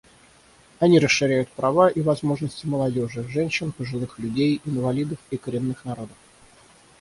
Они расширяют права и возможности молодежи, женщин, пожилых людей, инвалидов и коренных народов.